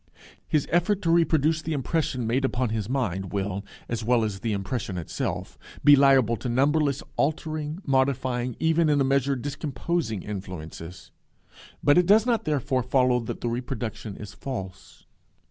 His effort to reproduce the impression made upon his mind will, as well as the impression itself, be liable to numberless altering, modifying, even, in a measure, discomposing influences. But it does not, therefore, follow that the reproduction is false.